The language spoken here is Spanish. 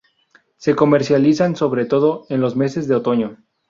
Se comercializan sobre todo en los meses de otoño.